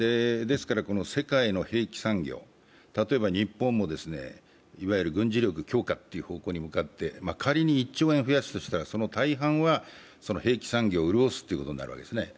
世界の兵器産業、例えば日本もいわゆる軍事力強化の方向に向かって、仮に１兆円増やすとしたらその大半は兵器産業を潤すことになるわけですね。